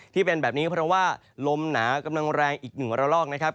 ที่เป็นแบบนี้เพราะว่าลมหนากำลังแรงอีกหนึ่งระลอกนะครับ